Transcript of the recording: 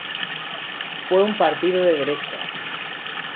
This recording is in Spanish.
Fue un partido de derecha.